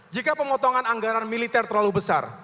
jika pemotongan anggaran militer terlalu besar